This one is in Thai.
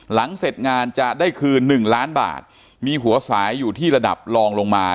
หลังเสร็จงานจะได้คืนหนึ่งล้านบาทมีหัวสายอยู่ที่ระดับลองลงมา